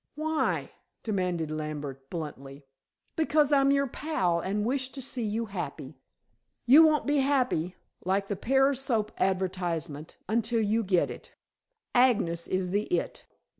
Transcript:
"Why?" demanded Lambert bluntly. "Because I'm your pal and wish to see you happy. You won't be happy, like the Pears soap advertisement, until you get it. Agnes is the 'it.'"